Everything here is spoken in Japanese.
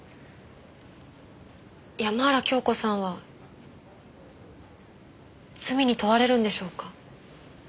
山原京子さんは罪に問われるんでしょうか？